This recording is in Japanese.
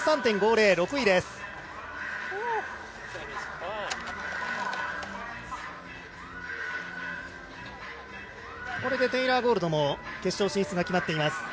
８３．５０、６位です。